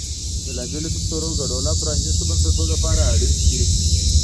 د بېلابېلو فکټورونو ګډوله پرانیستو بنسټونو لپاره اړین دي.